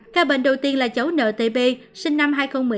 ca bệnh đầu tiên là cháu ntp sinh năm hai nghìn một mươi hai